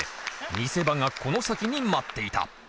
見せ場がこの先に待っていた。